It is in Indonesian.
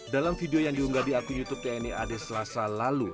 dalam video yang diunggah di akun youtube tni ad selasa lalu